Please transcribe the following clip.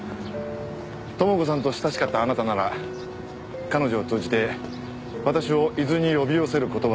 朋子さんと親しかったあなたなら彼女を通じて私を伊豆に呼び寄せる事は可能ですよね？